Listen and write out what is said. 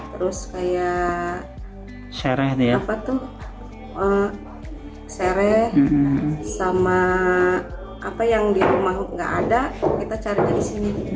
terus kayak serai sama apa yang di rumah nggak ada kita cari di sini